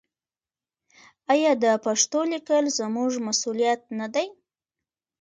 آیا د پښتو لیکل زموږ مسوولیت نه دی؟